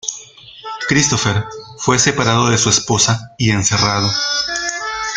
Christopher fue separado de su esposa y encerrado.